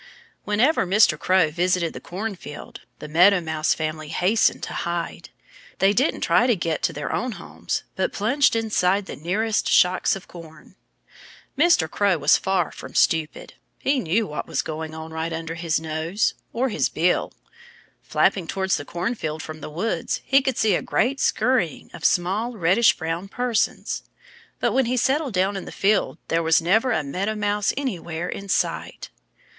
Whenever Mr. Crow visited the cornfield, the Meadow Mouse family hastened to hide. They didn't try to go to their own homes, but plunged inside the nearest shocks of corn. Mr. Crow was far from stupid. He knew what was going on right under his nose or his bill. Flapping towards the cornfield from the woods he could see a great scurrying of small, reddish brown persons. But when he settled down in the field there was never a Meadow Mouse anywhere in sight.